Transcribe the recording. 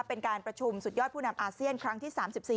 เป็นการประชุมสุดยอดผู้นำอาเซียนครั้งที่๓๔